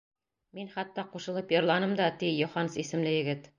— Мин хатта ҡушылып йырланым да, — ти Йоханс исемле егет.